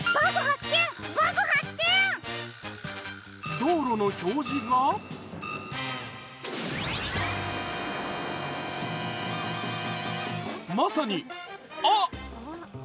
道路の標示がまさに、「あっ！」